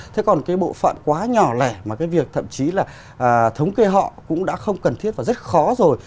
thế còn cái bộ phận quá nhỏ lẻ mà cái việc thậm chí là thống kê họ cũng đã không cần thiết và rất khó rồi